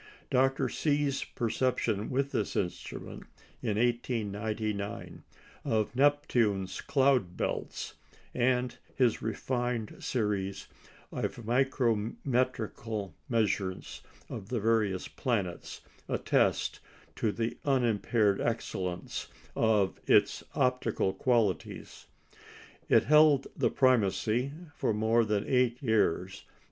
Dr. See's perception with this instrument, in 1899, of Neptune's cloud belts, and his refined series of micrometrical measures of the various planets, attest the unimpaired excellence of its optical qualities. It held the primacy for more than eight years.